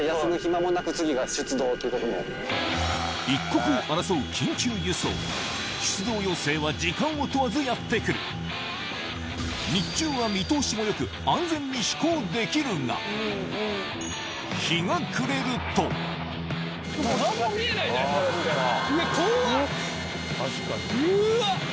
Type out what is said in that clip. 一刻を争う緊急輸送日中は見通しも良く安全に飛行できるが日が暮れるとうわ！